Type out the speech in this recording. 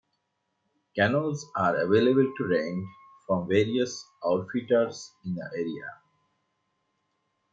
Canoes are available to rent from various outfitters in the area.